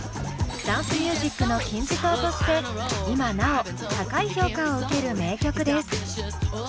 ダンスミュージックの金字塔として今なお高い評価を受ける名曲です。